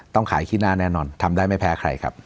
ต้องขายขี้หน้าแน่นอนทำได้ไม่แพ้ใครครับ